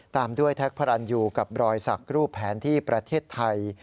ตามด้วยแท็กพระรันยูกับรอยสักรูปแผนที่ประเทศไทย